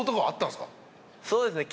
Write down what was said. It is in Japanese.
そうですね。